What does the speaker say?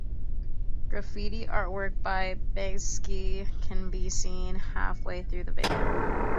Graffiti artwork by Banksy can be seen halfway through the video.